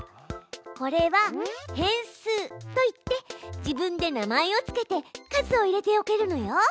これは「変数」といって自分で名前を付けて数を入れておけるのよ。